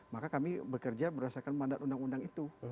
maka kami bekerja berdasarkan mandat undang undang itu